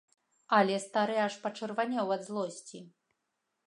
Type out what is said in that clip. Але стары аж пачырванеў ад злосці.